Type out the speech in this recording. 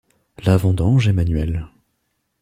La vendange est manuelle.